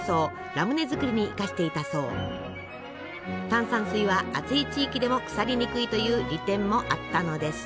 炭酸水は暑い地域でも腐りにくいという利点もあったのです。